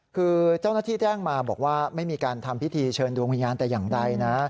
คือเจ้าหน้าที่แจ้งมาบอกว่าไม่มีการทำพิธีเชิญดวงวิญญาณแต่อย่างใดนะ